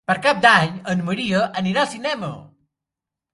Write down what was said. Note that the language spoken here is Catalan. Per Cap d'Any en Maria anirà al cinema.